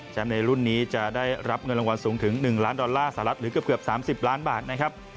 ในรุ่นนี้จะได้รับเงินรางวัลสูงถึง๑ล้านดอลลาร์สหรัฐหรือเกือบ๓๐ล้านบาทนะครับ